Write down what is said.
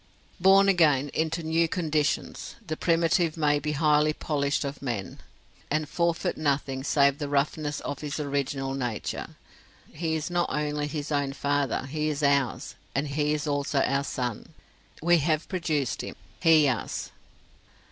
Born again, into new conditions, the primitive may be highly polished of men, and forfeit nothing save the roughness of his original nature. He is not only his own father, he is ours; and he is also our son. We have produced him, he us.